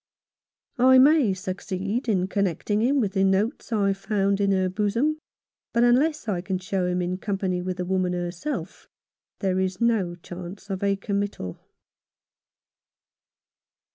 I may succeed in connecting him with the notes I found in her bosom ; but unless I can show him in company with the woman herself, there is no chance of a committal.